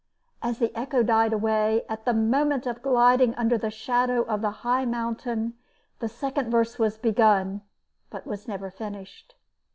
As the echo died away, at the moment of gliding under the shadow of the high mountain, the second verse was begun, but was never finished.